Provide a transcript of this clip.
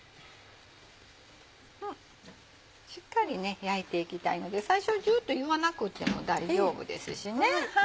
しっかり焼いていきたいので最初ジュっといわなくても大丈夫ですしね。